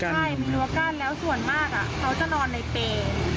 ใช่มีรั้วกั้นแล้วส่วนมากเขาจะนอนในเปรย์